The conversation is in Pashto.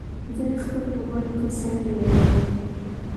زه خپل موبایل ته سرۍ لګوم.